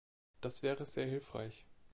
Das wäre sehr hilfreich.